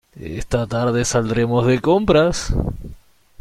Esta tarde saldremos de compras.